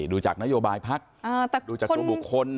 ดูจากนโยบายพักดูจากตัวบุคคล